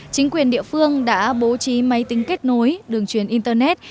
chính quyền địa phương đã bố trí máy tính kết nối đường truyền internet